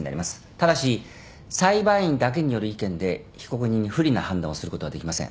ただし裁判員だけによる意見で被告人に不利な判断をすることはできません。